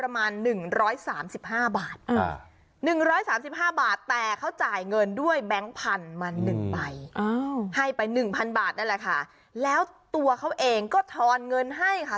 บาทนั่นแหละค่ะแล้วตัวเขาเองก็ทอนเงินให้ค่ะ